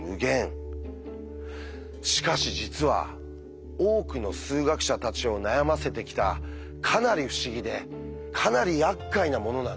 しかし実は多くの数学者たちを悩ませてきたかなり不思議でかなりやっかいなものなんです。